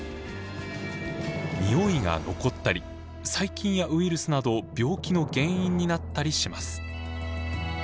においが残ったり細菌やウイルスなど病気の原因になったりします。